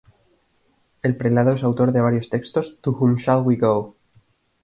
El prelado es autor de varios textos: "To Whom Shall We Go?